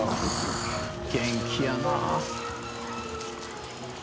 元気やな。